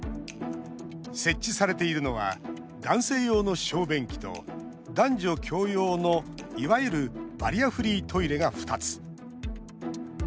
設置されているのは男性用の小便器と男女共用の、いわゆるバリアフリートイレが２つ。